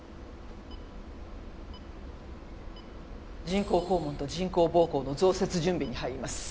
人工肛門と人工膀胱の造設準備に入ります。